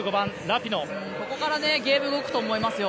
ここからゲームが動くと思いますよ。